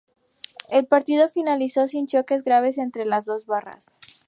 El partido finalizó sin choques graves entre las dos barras.